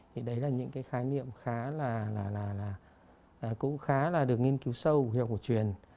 thì đấy là những cái khái niệm cũng khá là được nghiên cứu sâu theo kiểu của truyền